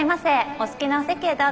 お好きなお席へどうぞ。